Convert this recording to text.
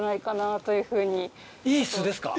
いい巣ですか？